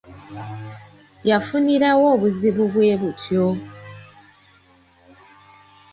Yafunira wa obuzibu bwe butyo?